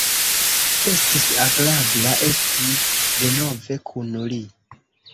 Estis agrabla esti denove kun li.